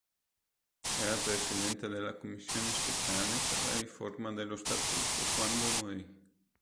Era presidente della Commissione speciale per la riforma dello Statuto, quando morì.